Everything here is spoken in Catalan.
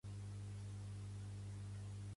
Barcelona es una ciutat plena de turistes.